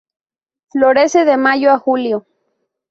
Florece de mayo a julio.